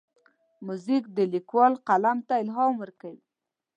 موزیک د لیکوال قلم ته الهام ورکوي.